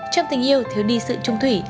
trong tình yêu thiếu đi sự chung thủy